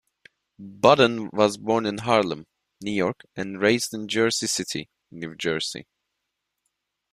Budden was born in Harlem, New York and raised in Jersey City, New Jersey.